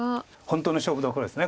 本当の勝負どころです